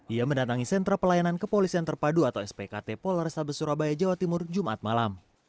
ia mendatangi sentra pelayanan kepolisian terpadu atau spk polresta besurabaya jawa timur jumat malam